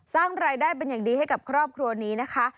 สร้างรายได้เป็นอย่างดีให้กับครอบครัวนี้นะคะ